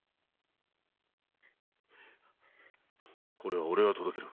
これは俺が届ける。